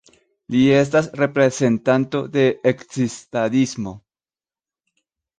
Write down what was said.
Li estas reprezentanto de Ekzistadismo.